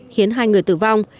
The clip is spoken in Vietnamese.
khiến hai người tử vong